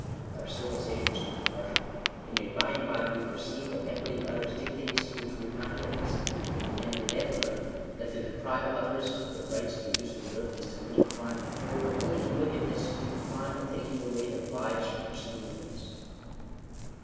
Bat our civilization is only partial. It may by and by be perceived, that Equity utters dictates to which we have not yet listened ; Digitized by VjOOQIC THE RIGHT TO THE USE OF THE EARTH. 126 and men may then learn, that to deprive others of their rights to the use of the earth, is to commit a crime inferior only in wickedness to the crime of taking away their lives or personal liberties.